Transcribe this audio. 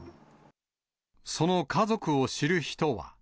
その家族を知る人は。